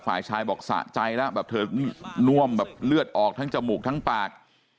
ฝ่ายชายบอกสะใจแล้วแบบเธอนี่น่วมแบบเลือดออกทั้งจมูกทั้งปาก